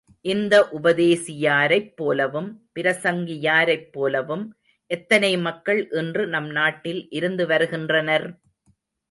இந்த உபதேசியாரைப் போலவும், பிரசங்கியாரைப் போலவும் எத்தனை மக்கள் இன்று நம் நாட்டில் இருந்து வருகின்றனர்!